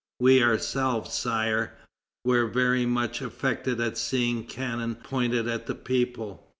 We ourselves, Sire, were very much affected at seeing cannon pointed at the people.